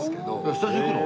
スタジオ行くの？